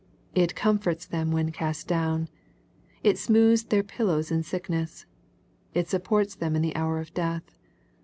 It comforts them when cast down. It smooths their pillows in sickness. It supports them in the hour of death.